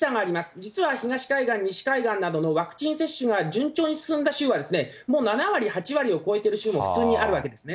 実は東海岸、西海岸などのワクチン接種が順調に進んだ州は、もう７割、８割を超えてる州も普通にあるわけですね。